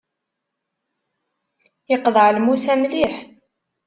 Yeqḍeɛ lmus-a mliḥ.